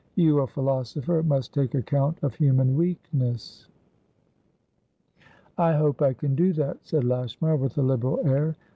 You, a philosopher, must take account of human weakness." "I hope I can do that," said Lashmar, with a liberal air.